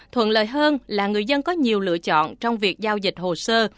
thuận lợi hơn là người dân có nhiều lựa chọn trong việc giao dịch hồ sơ